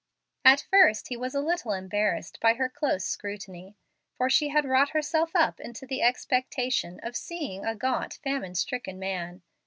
At first he was a little embarrassed by her close scrutiny, for she had wrought herself up into the expectation of seeing a gaunt, famine stricken man.